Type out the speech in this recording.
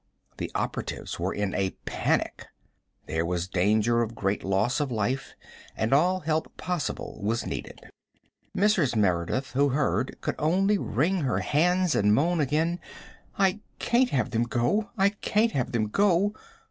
The operatives were in a panic. There was danger of great loss of life, and all help possible was needed. Mrs. Merideth, who heard, could only wring her hands and moan again: "I can't have them go I can't have them go!"